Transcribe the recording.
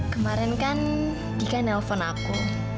kemarin kan gika nelpon aku